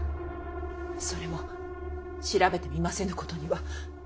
それも調べてみませぬことには。